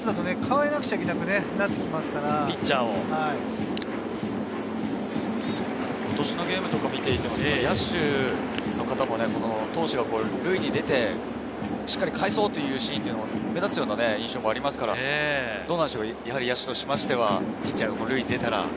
どうしても回が進むと、チャンスに代えなくちゃいけなくなってき今年のゲームとか見ていても、野手の方も投手が塁に出てしっかりかえそうというシーンが目立つような印象もありますから、野手としましては、ピッチャーが塁に出たら。